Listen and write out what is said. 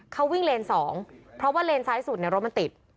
เขาวิ่งเลน๒เพราะว่าเลนซ้ายสุดรถมันติด